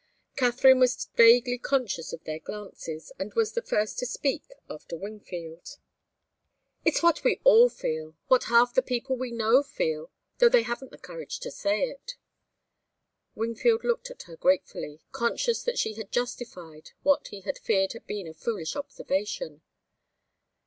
Katharine was vaguely conscious of their glances, and was the first to speak, after Wingfield. "It's what we all feel what half the people we know feel, though they haven't the courage to say it." Wingfield looked at her gratefully, conscious that she had justified what he had feared had been a foolish observation.